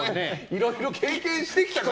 いろいろ経験してきたから。